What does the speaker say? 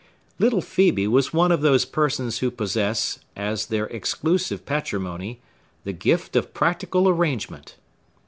Little Phœbe was one of those persons who possess, as their exclusive patrimony, the gift of practical arrangement.